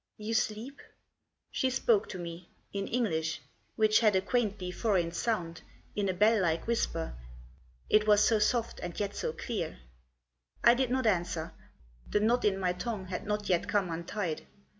"You sleep?" She spoke to me ; in English, which had a quaintly foreign sound ; in a bell like whisper, it was so soft and yet so clear. I did not answer ; the knot in my tongue had not yet come untied.